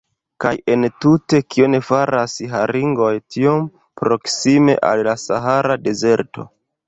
Kaj entute kion faras haringoj tiom proksime al la Sahara dezerto?